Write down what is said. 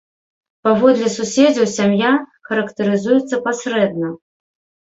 Паводле суседзяў, сям'я характарызуецца пасрэдна.